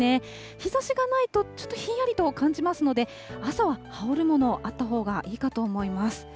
日ざしがないと、ちょっとひんやりと感じますので、朝は羽織るもの、あったほうがいいかと思います。